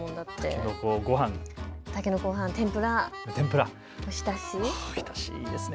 たけのこごはん、天ぷら、おひたし、いいですね。